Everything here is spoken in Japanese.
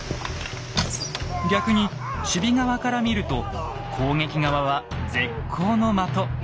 逆に守備側から見ると攻撃側は絶好の的。